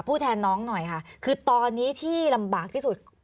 แทนน้องหน่อยค่ะคือตอนนี้ที่ลำบากที่สุด